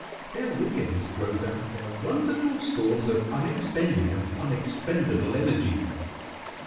Their wickedness grows out of their wonderful stores of unexpended and unexpendable energy.